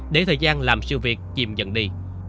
để thời gian làm sự việc chìm dần đi